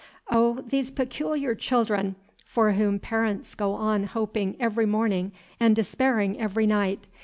Oh, these peculiar children for whom parents go on hoping every morning and despairing every night!